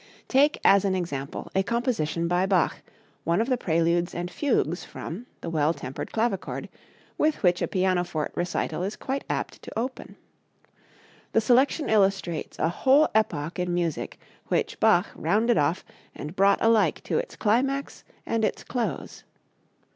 Take as an example a composition by Bach, one of the preludes and fugues from "The Well Tempered Clavichord," with which a pianoforte recital is quite apt to open. The selection illustrates a whole epoch in music which Bach rounded off and brought alike to its climax and its close.